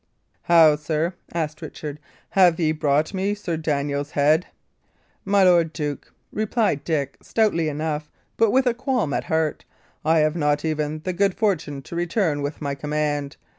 "How, sir?" asked Richard. "Have ye brought me Sir Daniel's head?" "My lord duke," replied Dick, stoutly enough, but with a qualm at heart, "I have not even the good fortune to return with my command.